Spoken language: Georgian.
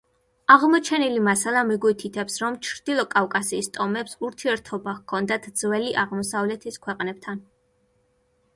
აღმოჩენილი მასალა მიგვითითებს, რომ ჩრდილო კავკასიის ტომებს ურთიერთობა ჰქონდათ ძველი აღმოსავლეთის ქვეყნებთან.